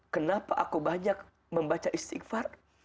kenapa aku banyak membaca istighfar